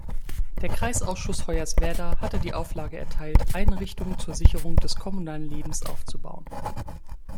Der Kreisausschuss Hoyerswerda hatte die Auflage erteilt, Einrichtungen zur Sicherung des kommunalen Lebens aufzubauen.